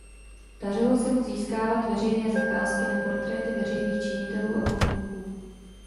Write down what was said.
Dařilo se mu získávat veřejné zakázky na portréty veřejných činitelů a pomníků.